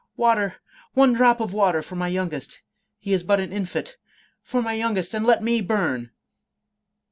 — Water, one drop of water for my youngest — he is but an infant — for my youngest, and let me bum !